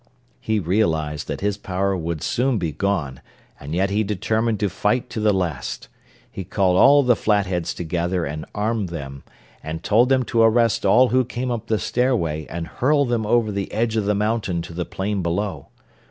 He realized that his power would soon be gone and yet he determined to fight to the last. He called all the Flatheads together and armed them, and told them to arrest all who came up the stairway and hurl them over the edge of the mountain to the plain below.